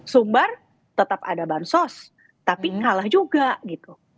sumbar tetap ada bansos tapi kalah juga gitu